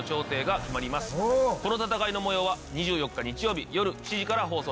この戦いの模様は２４日日曜日よる７時から放送です。